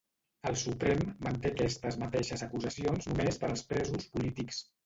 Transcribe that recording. El Suprem manté aquestes mateixes acusacions només per als presos polítics.